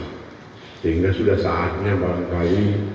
sehingga sudah saatnya barangkali